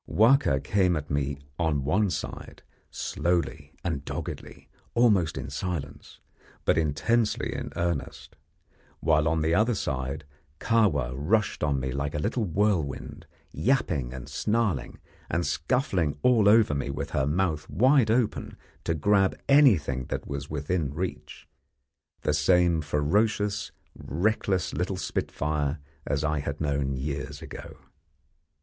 Wahka came at me on one side, slowly and doggedly, almost in silence, but intensely in earnest, while on the other side Kahwa rushed on me like a little whirlwind, yapping and snarling, and scuffling all over me with her mouth wide open to grab anything that was within reach the same ferocious, reckless little spitfire as I had known years ago.